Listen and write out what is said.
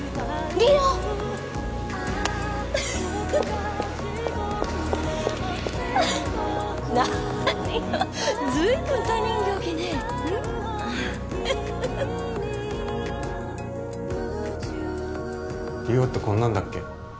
梨央ってこんなんだっけ？